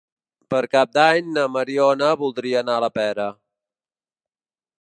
Per Cap d'Any na Mariona voldria anar a la Pera.